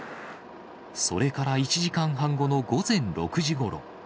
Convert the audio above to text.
それから１時間半後の午前６時ごろ。